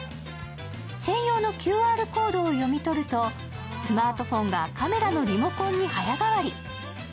専用のＱＲコードを読み取るとスマートフォンがカメラのリモコンに早変わり。